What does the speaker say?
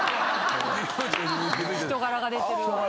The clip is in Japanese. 人柄が出てるわ。